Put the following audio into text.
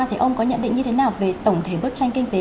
thì ông có nhận định như thế nào về tổng thể bức tranh kinh tế